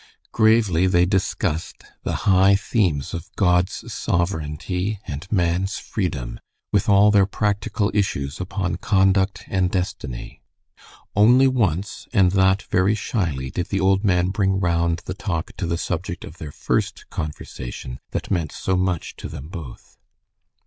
Gravely they discussed the high themes of God's sovereignty and man's freedom, with all their practical issues upon conduct and destiny. Only once, and that very shyly, did the old man bring round the talk to the subject of their first conversation that meant so much to them both.